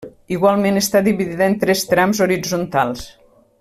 Igualment està dividida en tres trams horitzontals.